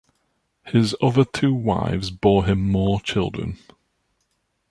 His other two wives bore him more children.